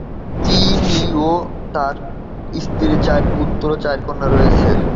তিনি ও তার স্ত্রীর পাঁচ পুত্র ও চার কন্যা রয়েছে।